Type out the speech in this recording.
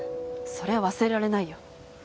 そりゃ忘れられないよ。